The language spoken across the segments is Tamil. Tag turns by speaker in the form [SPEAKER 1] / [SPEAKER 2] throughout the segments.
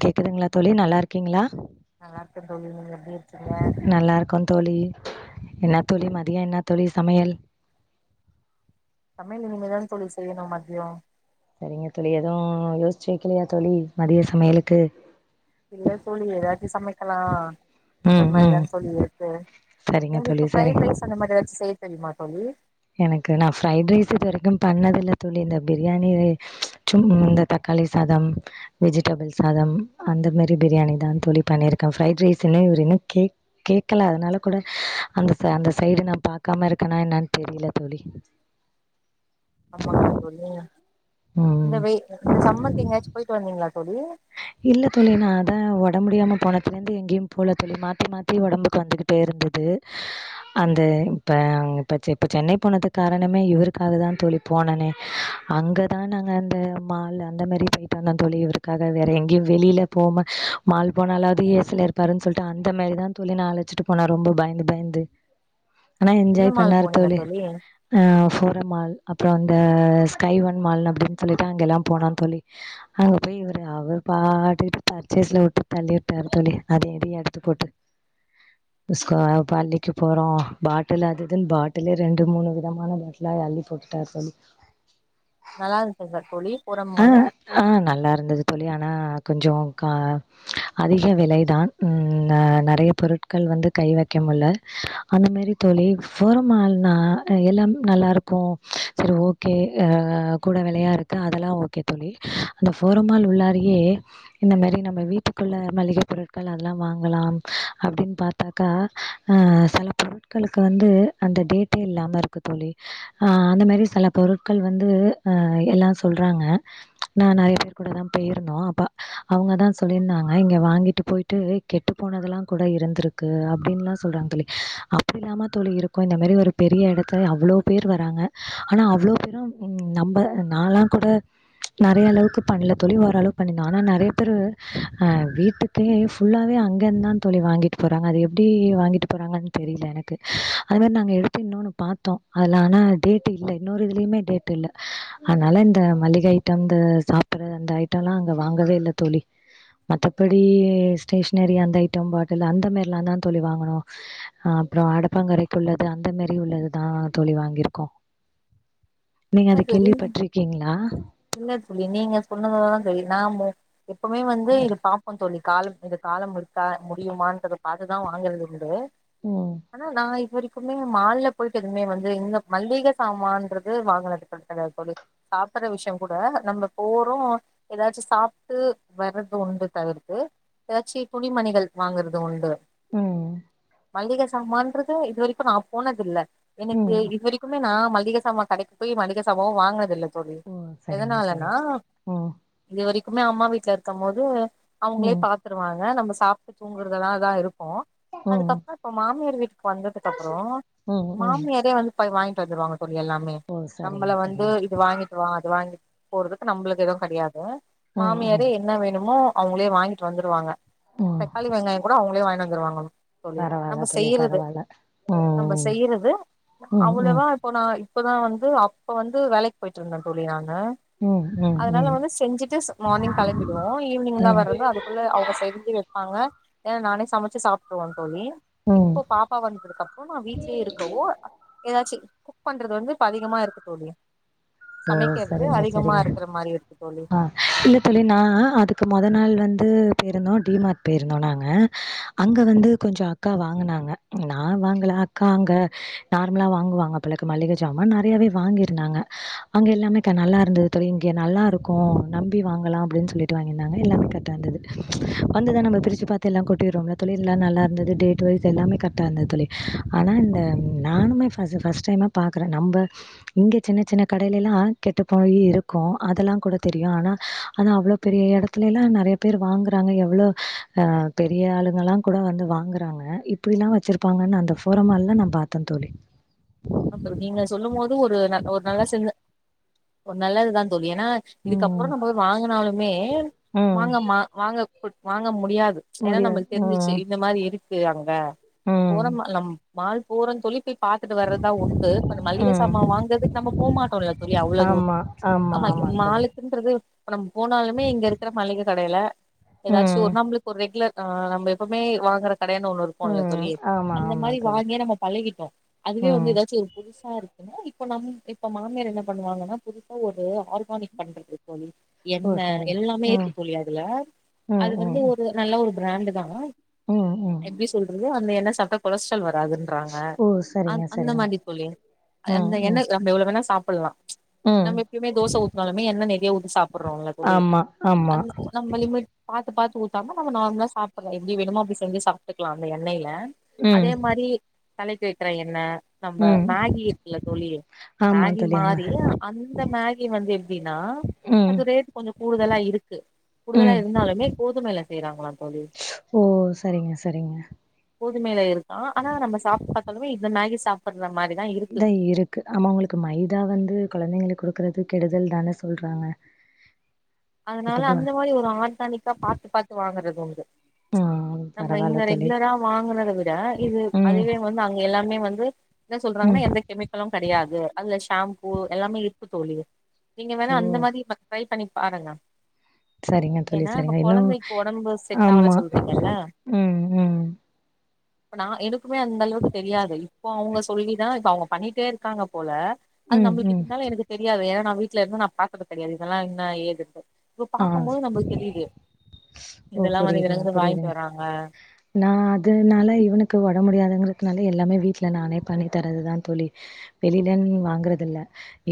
[SPEAKER 1] கேக்குதுங்களா தோழி நல்லா இருக்கீங்களா
[SPEAKER 2] நல்லா இருக்கே தோழி நீங்க எப்டி இருக்கீங்க
[SPEAKER 1] நல்லா இருக்கோ தோழி என்ன தோழி மதியம் என்ன தோழி சமையல்
[SPEAKER 2] சமையல் இனிமேதா தோழி செய்யணு மதியோ
[SPEAKER 1] சரிங்க தோழி எதுவும் யோசிச்சு வைக்கலையா தோழி மதிய சமையலுக்கு
[SPEAKER 2] இல்ல சொல்லி ஏதாச்சும் சமைக்கலாம் அ
[SPEAKER 1] ம் ம்
[SPEAKER 2] மாதிரிதான் சொல்லி இருக்கு
[SPEAKER 1] சரிங்க தோழி
[SPEAKER 2] எங்களுக்கு
[SPEAKER 1] சரிங்க
[SPEAKER 2] பரைட் ரைஸ் அந்த மாதிரி ஏதாச்சும் செய்ய தெரியுமாட்டே அ
[SPEAKER 1] எனக்கு நான் ஃப்ரைட் ரைஸ் இது வரைக்கும் பண்ணது இல்ல தோழி இந்த பிரியாணி இந்த தக்காளி சாதம் வெஜிடபிள் சாதம் அந்த மாதிரி பிரியாணி தான் தோழி பண்ணிருக்கேன் ஃப்ரைட் ரைஸ்ன்னு இன்னும் கேக் கேடக்கல அதனால கூட அந்த அந்த சைடு நான் பாக்காம இருக்கேனான
[SPEAKER 2] ஆமாங்களா தோழி இந்த
[SPEAKER 1] ம்
[SPEAKER 2] வெய் இந்த சம்மருக்கு எங்கயாச்சு போயிட்டு வந்தீங்களா தோழி
[SPEAKER 1] இல்ல தோழி நான் அதான் உடம்பு முடியாம போனத்தல இருந்து எங்கேயும் போல தோழி மாத்தி மாத்தி உடம்புக்கு வந்துகிட்டே இருந்தது அந்த இப்ப இப்ப இப்ப சென்னை போனதுக்கு காரணமே இவருக்காக தான் தோழி போனனே அங்கதான் நாங்க அந்த மால் அந்த மாதிரி போயிட்டு வந்தோ தோழி இவருக்கு க்க வேற எங்கேயும் வெளியில போகாம போனாலாவது இருப்பாருன்னு சொல்லிட்டு அந்த மாதிரிதான் தோழி ந அழைச்சிட்டு போனா ரொம்ப பயந்து பயந்து ஆனா
[SPEAKER 2] எந்த
[SPEAKER 1] என்ஜாய்
[SPEAKER 2] மால்
[SPEAKER 1] பண்ணாரு
[SPEAKER 2] போனீங்க
[SPEAKER 1] தோழி ஆஹ் ஃபோரமால் அப்புறம் இந்த ஸ்கை ஒன் மால் அப்படின்னு சொல்லிட்டு அங்க எல்லாம் போன தோழி அங்க போய் இரு அவர் பாட்டுட்டு பர்ச்சேஸ்ல விட்டு தள்ளிட்டரு தோழி அத எடி எடுத்து போட்டு்க இப்ப அள்ளிக்கு போறோம் பாட்டில் அதுதுன்னு பாட்டிலே ரெண்டு மூணு விதமான பாட்டிலா அள்ளி போட்டுட்டார் தோழி
[SPEAKER 2] நல்லா இருந்துச்சா தோழி பூரம் மாலு
[SPEAKER 1] அஹ் ஆஹ் நல்லா இருந்தது தோழி ஆனா கொஞ்சம் கா அதிக விலைதான் நிறைய பொருட்கள் வந்து கை வக்க முடீல அந்தமாதிரிதா தோழி போறமாள்னா எல்லாம் நல்லாருக்கும் சரி ஓகே கூட விலையா இருக்கு ஓகே த அந்த போரமால் உள்ளாரியே இந்த மாதிரி நம்ம வீட்டுக்குள்ள மளிகை பொருட்கள் அதெல்லாம் வாங்கலாம் அப்படின்னு பார்த்தாக்காஹ சில பொருட்களுக்கு வந்து அந்த டேட்ட இல்லாம இருக்கு தோழி அந்த மாதிரி சில பொருட்கள் வந்து எல்லாம் போயிருந்தோ. அப்ப அவங்க தா சொல்லியிருந்தாங்க இங்க வாங்கிட்டு போயிட்டு கெட்டு போனதெல்லா கூட இருந்திருக்கு அப்டின்னுலா சொல்றாங்க தோழி. அப்டி இல்லாம தோழி இருக்கு இந்த மாரி ஒரு பெரிய எடத்த அவ்ளோ பேர் வராங்க ஆனால் அவ்வளோ பேரும் நம்ம நான்லாம் கூட நிறைய அளவுக்கு பண்ணல தோழி ஓர அளவு பண்ணிருந்தோம் ஆனா நிறைய பேர் வீட்டுக்கே ஃபுல்லாவே அங்க இருந்தான் வாங்கிட்டு போறாங்க அது எப்படி வாங்கிட்டு போறாங்கன்னு தெரியல எனக்கு அது மாதிரி நா எடுத்து இன்ன பாத்தோம் ஆனா இன்னொரு இதுலயுமேனால இந்த மளிகை ஐட்டம் இந்த சாப்பிடுறது அந்த ஐட்டம் எல்லாம் அங்க வாங்கவே இல்லை தோழி மத்தபடி ஸ்டேஷனரி அந்த ஐட்டம் பாட்டில் அந்த மாதிரி எல்லாம் தான் தோழி வாங்கணும் அஹ் அப்புறம் அடப்பாங்கரைக்கு உள்ளது அந்த மாதாரி உள்ளதுதான் தோழி வாங்கியிருக்கோம் நீங்க அதை கேள்வி பற்றி
[SPEAKER 2] இல்லலை தோழி நீங்க சொன்னததான் தெரிய நாமும் எப்பவுமே வந்து
[SPEAKER 1] இரு
[SPEAKER 2] இது பாப்போம் தோழி காலம் இந்த காலம் முத்தா முடியுமாறது பார்த்துதான் வாங்கறது உண்டு
[SPEAKER 1] ம்
[SPEAKER 2] ஆனா நான் இப்பவரை எவுமே மஹால் ல போயிட்டு எதுவுமே வந்து இந்த மல்லிகை சாமான்து வாங்கினதுக்கு சொல்லி சாப்பிட்ற விஷயம் கூட நம்ம போறோம் ஏதாச்சும் சாப்பிட்டு வர்றது உண்டு தவிர்த்து ஏதாச்சு துணிமணிகள் வாங்கறது உண்டு
[SPEAKER 1] உஹம்
[SPEAKER 2] மல்லிகை சமான்றது இது வரைக்கும் நான் போனது இல்லை எனக்கு
[SPEAKER 1] ம்
[SPEAKER 2] இதுவரைக்குமே நான் மளிகை சாமம் கடைக்கு போய் மளிகை சாமான் வாங்கினதில்ல்லை த்தடி
[SPEAKER 1] ஓ சரிங்க
[SPEAKER 2] எதனாலனா
[SPEAKER 1] சரிங்க ம்
[SPEAKER 2] இது வரைக் எப்போமே அம்மா வீட்ல இருக்கும் போது அவங்களே
[SPEAKER 1] ம்
[SPEAKER 2] பாத்துருவாங்க நம்ம அப் தூங்குறதெல்லாம் தான் இருக்கும்
[SPEAKER 1] ம்
[SPEAKER 2] அதுக்கப்புறம் இப்ப மாமியார் வீட்டுக்கு வந்ததுக்கு அப்புறம்
[SPEAKER 1] ம் ம்
[SPEAKER 2] மாமியாரே வந்து போய் வாங்கிட்டு வந்துடுவாங்க போ எல்லாமே
[SPEAKER 1] ஓ சரிங்க
[SPEAKER 2] நம்மளை வந்து
[SPEAKER 1] சரிங்க
[SPEAKER 2] இது வாங்கிட்டு வா அது வாங்கிட்டு போறதுக்கு நம்மளுக்கு எதுவும் கிடையாது
[SPEAKER 1] ம்
[SPEAKER 2] மாமியாரே
[SPEAKER 1] ம்
[SPEAKER 2] என்ன வேணுமோ அவங்களே வாங்கிட்டு வந்துடுவாங்க
[SPEAKER 1] ம்
[SPEAKER 2] தக்காளி வெங்காயம் கூட அவங்களே வாங்கினு வந்துருவாங்க ஆ சொல்லி
[SPEAKER 1] பரவால்ல
[SPEAKER 2] நம்ம
[SPEAKER 1] தோழி
[SPEAKER 2] செய்யறது
[SPEAKER 1] பரவால்ல
[SPEAKER 2] நம்ம
[SPEAKER 1] ம்
[SPEAKER 2] செய்யறது
[SPEAKER 1] ம் ம்
[SPEAKER 2] அவ்வளவா இப்போ நான் இப்பதான் வந்து அப்ப வந்து வேலைக்கு போயிட்டு இருந்தேன் தோழி நானு
[SPEAKER 1] ம் ம்
[SPEAKER 2] அதனால
[SPEAKER 1] ம்
[SPEAKER 2] வந்து செஞ்சுட்டு மார்னிங் கிளம்பிடுவோம் ஈவ்னிங்லாம்
[SPEAKER 1] ம்
[SPEAKER 2] வரது அதுக்குள்ள அவங்க செஞ்சு வைப்பாங்க ஏன்னா நானே சமைச்சு சாப்பிட்டுவோன்
[SPEAKER 1] ம்
[SPEAKER 2] இப்போ பாப்பா வந்ததுக்கு அப்புறம் நான் வீட்லயே இருக்கவோ ஏதாச்சும் குக் பண்றது வந்து இப்ப அதிகமா இருக்க போது
[SPEAKER 1] ஆஹ [unintelligible] சரிங்க சரிங்க
[SPEAKER 2] மாரி இருக்கு தோழி
[SPEAKER 1] ஹ இல்ல தோழி நான் அதுக்கு முதல் நாள் வந்து பேருந்தோம் [inaudible] டிமார்ட் பேயிருந்தோம் நாங்க அங்க வந்து கொஞ்சம் அக்கா வாங்குனாங்க நான் வாங்கல அக்கா அங்க நார்மலா வாங்குவாங்க போல இருக்கு மல்லிகை ஜாமன் நிறையாவே வாங்கிருந்தாங்க அங்கே எல்லாமே கா நல்லா இருந்தது தோழி இங்கே நல்லாயிருக்கும் நம்பி வாங்கலாம் அப்படின்னு சொல்லிட்டு வாங்கியிருந்தாங்க எல்லாமே கரெக்டாக இருந்தது வந்துதான் நம்ம பிரித்து பார்த்து எல்லாம் கொட்டிடுறோம்ல தோழி எல்லாம் நல்லா இருந்தது டேட் வாய்ஸ் எல்லாமே கரெக்டாக இருந்தது தோழி ஆனால் இந்த நானுமே ஃபர்ஸ்ட்டைமாக பார்க்குறே நம்ம இங்கே சின்ன சின்ன கடையில எல்லாம் கெட்டு போயி இருக்கும் அதெல்லாம் கூட தெரியும் ஆனா அதான் அவ்வளவு பெரிய இடத்துல எல்லாம் நிறைய பேர் வாங்குறாங்க எவ்வளவு ஆஹ் பெரிய ஆளுங்க எல்லாம் கூட வந்து வாங்குறாங்க இப்படி எல்லாம் வச்சிருப்பாங்கன்னு அந்த போராமஹால் எல்லாம் நான் பார்த்தோம் தோழி
[SPEAKER 2] அப்ப நீங்க சொல்லும் போது ஒரு ஒரு நல்ல ச ஒரு நல்ல இதுதான் சொல்லி ஏன்னா
[SPEAKER 1] ம்
[SPEAKER 2] இதுக்கப்புறம் நம்ம வாங்கினாலுமே
[SPEAKER 1] ம்
[SPEAKER 2] வாங்க வாங்க வாங்க முும் முடியாது ஏன்னா
[SPEAKER 1] முடியாது
[SPEAKER 2] நம் தெரிஞ்சிச்சு
[SPEAKER 1] ம்
[SPEAKER 2] இந்த மாதிரி இருக்கு அங்க
[SPEAKER 1] ம்
[SPEAKER 2] போறேமலாம் மால் பூரம் சொழி பாத்துட்டு வறது உண்டு மல்லிகை
[SPEAKER 1] ம்
[SPEAKER 2] சாாமான் வாங்கறக்கு நம்ம போக மாட்டோம்லா தோலி அவ்வளவு தூர
[SPEAKER 1] ஆமாம் ஆமாம்
[SPEAKER 2] மான்
[SPEAKER 1] ஆமாம் தோழி
[SPEAKER 2] மலுகுன்றது இப்ப நம்ம போனாலுமே இங்க இருக்கிற மளிகை கடையில ஏதாச்சும்
[SPEAKER 1] ம்
[SPEAKER 2] ஒரு நம்மளுக்கு ஒரு ரெகுலர் ஆஹ் நம்ம எப்பவுமே வாங்கற கடையான ஒண்ணு இருக்கும்ல்ல
[SPEAKER 1] ம்
[SPEAKER 2] தோலி
[SPEAKER 1] ஆமாம்
[SPEAKER 2] அந்த மாதிரி
[SPEAKER 1] ஆமாம் தோழி
[SPEAKER 2] வாங்கிய நம்ம பழகிட்டோம் அதுவே வந்து
[SPEAKER 1] ம்
[SPEAKER 2] ஒரு புதுசா இருக்குன்னா இப்ப நம் இப்ப மாமியார் என்ன பண்ணுவாங்கன்னா புதுசா ஒரு ஆர்கானிக் பண்றது தழி
[SPEAKER 1] ஓ
[SPEAKER 2] என்ன
[SPEAKER 1] சரிங்க
[SPEAKER 2] எல்லாமே
[SPEAKER 1] ம்
[SPEAKER 2] இருக்கு தோழி அதுல
[SPEAKER 1] ம்
[SPEAKER 2] அது வந்து
[SPEAKER 1] ம்
[SPEAKER 2] ஒரு நல்ல ஒரு பிராண்ட் தா
[SPEAKER 1] ம் ம்
[SPEAKER 2] எப்படி சொல்றது அந்த என்ன அப்ப கொலஸ்ட்டால் வ துன்றாங்க
[SPEAKER 1] ஓ
[SPEAKER 2] அ
[SPEAKER 1] சரிங்க
[SPEAKER 2] அந்த
[SPEAKER 1] சரிங்க
[SPEAKER 2] மாதி தோலி
[SPEAKER 1] ம்
[SPEAKER 2] அந்த என்
[SPEAKER 1] ம்
[SPEAKER 2] எனக்கு நம்ம எவ்வளோ வேணா சாப்ப சொல்ல
[SPEAKER 1] ம்
[SPEAKER 2] நம்ம எப்பயுமே தோசை ஊற்றனாலுமே என்ன நிறைய ஊ சாப்பிடுறோம்ல்ல தோலி
[SPEAKER 1] ஆமா
[SPEAKER 2] அ
[SPEAKER 1] ஆமா
[SPEAKER 2] நம்ம லிமிட் பாத்து பாத்து தூத்தாம நார்மலா சாப்பிடறல எப்படி வேணுமோ அப்படி செஞ்சி சாப்பிட்டுக்கலாம் அந்த எண்ணெயில
[SPEAKER 1] ம்
[SPEAKER 2] அதே மாரி தலைக்கு வைக்கிற என்ன நம்ம
[SPEAKER 1] ம்
[SPEAKER 2] மேகி இருக்குல தோலி
[SPEAKER 1] ஆமா
[SPEAKER 2] மேகி
[SPEAKER 1] தோழி ஆமா
[SPEAKER 2] மாறி அந்த மேகி வந்து எப்படின்னா
[SPEAKER 1] ம்
[SPEAKER 2] அது ரேட் கொஞ்சம் கூடுதலா இருக்கு கூடுதலா
[SPEAKER 1] ம்
[SPEAKER 2] இருந்தாலுமே கோதுமைையில செய்யறாங்களாம் தோலி
[SPEAKER 1] ஓ சரிங்க சரிங்க
[SPEAKER 2] புதுமையில இருக்கு ஆனா நம்ம சாப்பிட்டு பார்த்தாலே இந்த மேகி சாப்புட்ற மாரிதா இருக்கு
[SPEAKER 1] இதான் இருக்கு ஆமா உங்களுக்கு மைதா வந்து குழந்தைங்களுக்கு கொடுக்க இருக்கிறது கெடுதல் தானே சொல்றாங்க
[SPEAKER 2] அதனால
[SPEAKER 1] இப்பப்ப
[SPEAKER 2] அந்த மாதிரி ஒரு ஆர்கானிக்கா பாாரத்துு பாாரத்துு வாங்கறது உந்து
[SPEAKER 1] ம்
[SPEAKER 2] நம்ம இந்த
[SPEAKER 1] பரவால்ல தோழி
[SPEAKER 2] ரெகுலரா வாங்கினதை விட இது
[SPEAKER 1] ம்
[SPEAKER 2] அதுவே வந்து அங்க எல்லாமே வந்து என்ன சொல்றாங்கன்னா
[SPEAKER 1] ம்
[SPEAKER 2] எந்த கெமிக்கலும் கிடையாதுல ஹாம்பூ எல்லாமே இருக்கு தோளி நீங்க வேணா
[SPEAKER 1] ஓ
[SPEAKER 2] அந்த மாதிரி [unintelligible] பாருங்க
[SPEAKER 1] சரிங்க தோழி
[SPEAKER 2] இப்ப
[SPEAKER 1] சரிங்க இன்னு
[SPEAKER 2] கொழந்தைக்கு ஒடம்பு செட் ஆவல
[SPEAKER 1] ஆமா
[SPEAKER 2] சொல்றீங்கல்ல
[SPEAKER 1] உம் உம்
[SPEAKER 2] இப்ப நா எனக்குமே அந்த அளவுக்கு தெரியாது இப்போ அவங்க சொல்லிதா இப்ப அவங்க பண்ணிட்டே இருக்காங்க போல அது
[SPEAKER 1] ம்
[SPEAKER 2] நம்மளுக்கு
[SPEAKER 1] ம்
[SPEAKER 2] இதுமேல எனக்கு தெரியாது எனா நா விட்ல இருந்து நா பாத்தது கடையாது இதெல்லா நா எதுக்கு
[SPEAKER 1] ஆஹ் ஓ
[SPEAKER 2] இதெல்லா வந்து
[SPEAKER 1] புரியிதுங்க
[SPEAKER 2] இதுலருந்து வாங்கிட்டு
[SPEAKER 1] புரியிதுங்க
[SPEAKER 2] வராங்க
[SPEAKER 1] நா அதனால இவனுக்கு ஒடம்பு முடியாதங்கற னால எல்லாமே வீட்டுல நானே பண்ணி தரதுதா தோலி வெளியில வாங்குறது இல்ல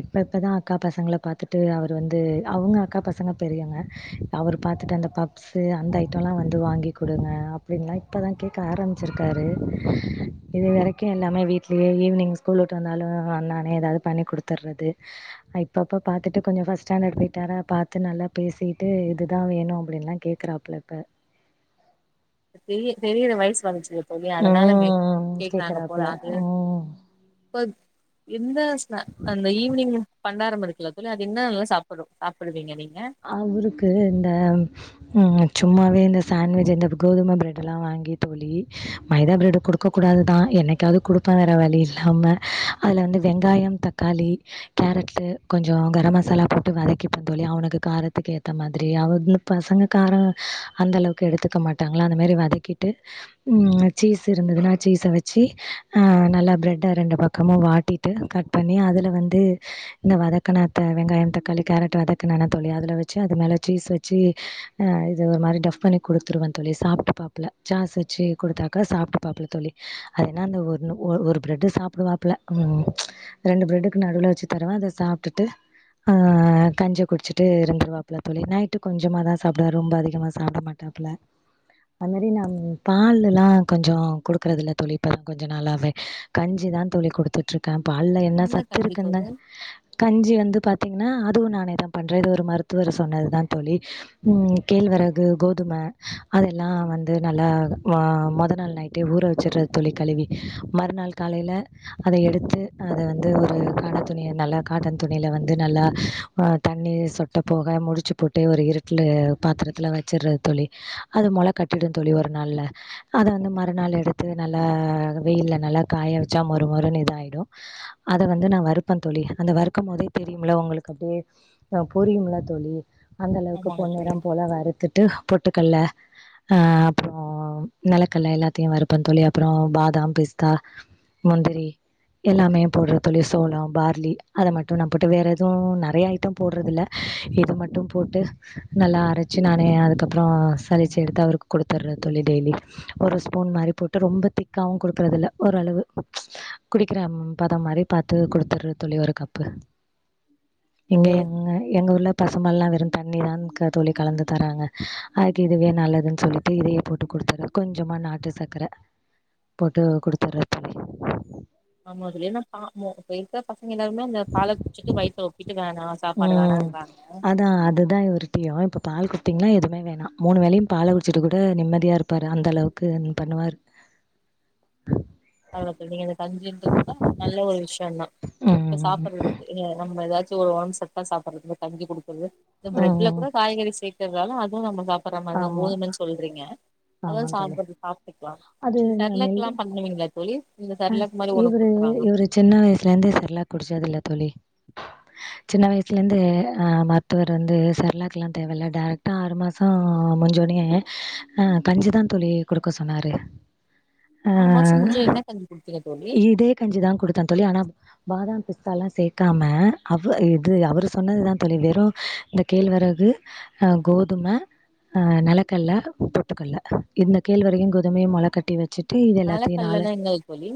[SPEAKER 1] இப்ப இப்பதா அக்கா பசங்கள பாத்திட்டு அவர் வந்து அவுங்க அக்கா பச பசங்க பெரியோங்க அவரு பாத்திட்டு அந்த பப்ஸ்சு அந்த ஐடோலா வந்து வாங்கி கொடுங்க அப்டின்லா இப்பதா கேக்க ஆரம்பிச்சிருக்காரு இது வரைக்கு எல்லாமே விட்லே ஈவி்னிங் ஸ்கூல் வந்தாலு அன்னனே ஏதாவது பண்ணி குடுத்துறது இப்பப்ப பாத்துட்டு கொஞ்சோ ஃபர்ஸ்ட் ஸ்டாண்டர்ட் போயிட்டானா பாத்து நல்லா பேசிட்டு இதுதா வேணோ அப்டின்னுல்லா கேக்குறாப்புல இப்ப
[SPEAKER 2] தெரிய தெரியிர வயசு வச்சி ரிய அதனால
[SPEAKER 1] ம்
[SPEAKER 2] கேக்குறாங்க போல
[SPEAKER 1] கேக்குறாப்புல
[SPEAKER 2] அது
[SPEAKER 1] ம்
[SPEAKER 2] இப்ப இந்த ஸ்னக் அந்த ஈவி்னிங் பண்டாரம் இருக்குல தோழி அது இன்னோ சாப்பிடு சாப்டுவிங்க நீங்க
[SPEAKER 1] அவுருக்கு இந்த ம் சும்மாவே இந்த சண்விஜ் இந்த கோதுமை பிரெட்டலா வாங்கி தோழி மைதா ப்ரெட் குடுக்க கூடாது தா என்னைக்காவது குடுப்ப வேறு வழி இல்லாமல் அதல வந்து வெங்காயம் தக்காளி கேரட் கொஞ்சோ கரம் மசாலா போட்டு வதக்கிப்போ தோழி அவனுக்கு காரத்துக்கு ஏத்த மாதிரி அவதுந்து பசங்க காரொ அந்த அளவுக்கு எடுத்துக்க மாட்டாங்களா அந்த மேரி வதக்கிட்டு உம் சீஸ் இருந்ததுன்னா சீஸை வச்சி நல்லா பிரட்ட ரெண்டு பக்கமு வாட்டிட்டு கட் பண்ணி அதல வந்து இந்த வதக்கனத வெங்காயம் தக்காளி கேரட் வதக்க நத்த அதல வச்சி அது மேல சீஸ் வச்சி ஹ இது ஒரு மாதி டப் பண்ணி குடுத்துருவ சாப்ற்றுபாபுல ச்சாஸ் வச்சி குடுத்தாக்கா சாப்றுப்பாப்புல தோழி அதன ஒரு பிரட் சாப்ற்றுப்பால ஹ ஹஃரெண்டு பிரெட்டுக்கு நடுவில் வச்சு தன் அதை சாிட்டுஞ்ச குடிச்ச தந்து இருந்துருவப்புல நைட்டு கொஞ்சமா தா சாப்டுவாரு ரொம்ப அதிகமா சாப்பிட மாட்டாப்புல அது மாரி நா பால்லா கொஞ்சோ கொடுக்கறது இல்ல தோழி இப்பதா கொஞ்சோ நாளாவே கஞ்சிதா தோழி கொடுத் இந்த பால்ல என்ன சத்து
[SPEAKER 2] கஞ்சி
[SPEAKER 1] இருக்குன்ன
[SPEAKER 2] தோழி
[SPEAKER 1] கஞ்சி வந்து பா பாத்தீங்கன்னா அதுவு நானே தா பண்றது ஒரு மருத்துவர் சொன்னது தா தோழி ம் கேழ்வரகு கோதும அதெல்லா வந்து நல்லா மொத நாள் நைட்டே ஊற வச்சிடுறது தோழி கலுவி மறுநாள் காலையில அத எடுத்து அத வந்து ஒரு காட்டன் துணில நல்லா காட்டன் துணியில வந்து நல்லா தண்ணிர் சொட்ட போக முடிச்சு போட்டு ஒரு இருட்டில பாத்திரத்துல வச்சிடுறது தோழி அத மொல கட்டிடு தோழி ஒரு நாள்ல அத வந்து மறுநாள் எடுத்து நல்லா வெயில நல்லா காய வச்சா மொறு மொறுனு இதாயிடோ அத வந்து நா வறுப்ப தோழி அந்த வறுக்கும் போதே தெரியும்ல உங்களுக்கு அப்டியே ஆ புரியும் ல தோழி அந்த அளவுக்கு
[SPEAKER 2] ஆமாங்க
[SPEAKER 1] பொண்
[SPEAKER 2] தோழி
[SPEAKER 1] நிறம் போல வறுத்திட்டு போட்டு மூக்கல்ல அ அப்ரோ நலக்கல்ல எல்லாத்தையு வறுப்ப தோழி அப்புரோ பாதாம் பிஸ்தா முந்திரி எல்லாமே போடுற தோழி சோளம் பார்லி அத மட்டு நா போட்டு வேற எதுவு நறைய ஐட்டம் போடுறது இல்ல இது மட்டும் போட்டு நல்லா அரைச்சி நானே அதுக்கப்ரோ சளிச்சி எடுத்து அவருக்கு குடுத்துடுற தோழி டெய்லி ஒரு ஸ்பூன் மாரி போட்டு ரொம்ப திக்காவு குடுக்கறது இல்ல ஓரளவு குடிக்கிற பதம் மாரி பாத்து குடுத்துடுற தோழி ஒரு கப்பு இங்கே
[SPEAKER 2] அது
[SPEAKER 1] என் எங்க ஊர்ல பசும்பால்லா வெறு தண்ணிதா தோழி கலந்து தராங்க அதுக்கு இதுவே நல்லதுன்னு சொல்லிட்டு இதையே போட்டு குடுத்துறது கொஞ்சமா நாட்டு சக்கர போட்டு குடுத்துறது தோழி
[SPEAKER 2] ஆமா தோழி எல்லா பா போர் பெய்ட்டு பசங்க என்னா அந்த பால குடிச்சிட்டு வயதனொப்பிட்டு இது வேணா சாப்பாடு வேணான்றாங்க
[SPEAKER 1] குத்தியு இப்ப பால் குடுத்தீங்கன்னா எதுவுமே வேணா மூணு வேலையு பால குடிச்சிட்டு கூட நிம்மதியா இருப்பாரு அந்த அளவுக்கு பண்ணுவாரு
[SPEAKER 2] அவ்ளதா தோழி நீங்க இந்த கஞ்சின்டு கூட நல்ல ஒரு விஷயம் தா இப்ப
[SPEAKER 1] ம்.
[SPEAKER 2] சாப்பிடறதுக்கு நம்ம ஏதாச்சு ம் சத்தா சாப்பிறது கஞ்சி குடுக்குறது இந்த பிரெட்ல
[SPEAKER 1] ம்.
[SPEAKER 2] கூட காய்கறி சே இருந்தாலு அதுவும் நம்ம பா பண்ற மாதிரிதா
[SPEAKER 1] ஆமா.
[SPEAKER 2] கோதுமனு சொல்றீங்க அதா
[SPEAKER 1] ஆமா தோழி.
[SPEAKER 2] சாப்பறது சாப்ட்டுக்லாம் இந்த சர்லக்கெல்லா பண்ணுவீங்கள
[SPEAKER 1] ம் இவரு இவரு சின்ன வயசுல இருந்தே சர்லாக் குடிச்சது இல்ல தோழி சின்ன வயசுல இருந்து அ மருத்துவர் வந்து சர்லாக்கு லா தேவல்ல டேரெக்டா ஆறு மாச முடுஞ்சோனே அ கஞ்சிதா தோழி குடுக்க சொன்னாரு
[SPEAKER 2] ஆறு மாசம் முடிஞ்சா என்ன
[SPEAKER 1] ஆ.
[SPEAKER 2] கஞ்சி கொடு
[SPEAKER 1] இதே கஞ்சிதா குடுத்தேன் தோழி ஆனா பாதாம் பிஸ்தால்லா சேக்காம அவ் இது அவரு சொன்னதுதான் தோழி வெறும் இந்த கேழ்வரகு அ கோதும அ நெலக்கல்ல பொட்டுக்கல்ல இந்த கேழ்வரகையும் கோதுமையும் மொள கட்டி வச்சு
[SPEAKER 2] நெலக்கல்லனா என்னது தோழி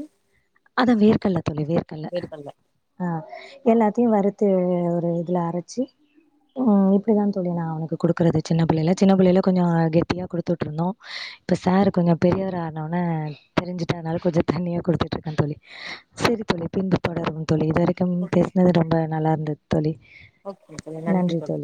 [SPEAKER 1] அது வேர்க்கல்ல தோழி வேர்க்கல்ல
[SPEAKER 2] வேர்கல்ல
[SPEAKER 1] ஆ எல்லாத்திய வறுத்து ஒரு இதில அரச்சு இப்டி தா தோழி நா அவனுக்கு குடுக்குறது சின்ன பிள்ளேல சின்ன பிள்ளேல கொஞ்சோ கெட்டியாக கொடுத்துட்ருந்தோ இப்போ சார் கொஞ்சோ பெரியவர் ஆனோன்ன தெரிஞ்சுட்டனால கொஞ்சோ தண்ணியா குடுத்துட்டு இருக்கே தோழி சரி தோழி பின்பு தொடருவோ தோழி இது வரைக்கும்
[SPEAKER 2] ஓகே
[SPEAKER 1] பேசுனது ரொம்ப நல்லாருந் அடுத்தோழி
[SPEAKER 2] ஓகே தோழி நன்றி தோழி